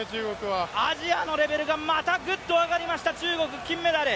アジアのレベルがまたグッと上がりました、中国、金メダル。